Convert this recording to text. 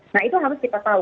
nah itu harus kita tahu